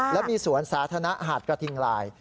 และมีสวนสาธารณะหาดกระทิงลาย